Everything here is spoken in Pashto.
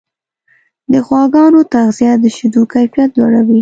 د غواګانو تغذیه د شیدو کیفیت لوړوي.